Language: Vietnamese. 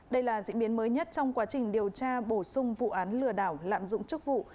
đây là diễn biến mới nhất trong quá trình điều tra bổ sung vụ án lừa đảo lạm dụng chức vụ